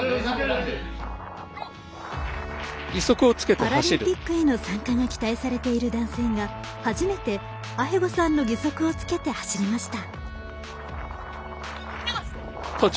パラリンピックへの参加が期待されている男性が初めて、アヘゴさんの義足をつけて走りました。